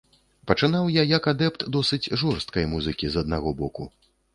Пачынаў я як адэпт досыць жорсткай музыкі, з аднаго боку.